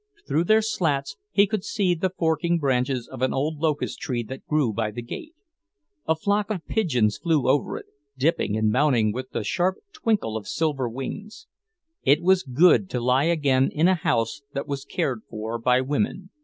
Through their slats, he could see the forking branches of an old locust tree that grew by the gate. A flock of pigeons flew over it, dipping and mounting with a sharp twinkle of silver wings. It was good to lie again in a house that was cared for by women.